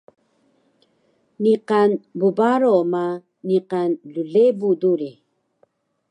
Niqan bbaro ma niqan llebu duri